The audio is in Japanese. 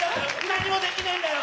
何もできねえんだよ